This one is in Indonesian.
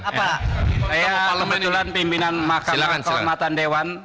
apa saya kebetulan pimpinan makassar kormatan dewan